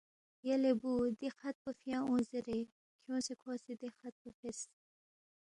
یلے بُو دی خط پو فیا اونگ زیرے کھیونگسے کھو سی دے خط پو فیس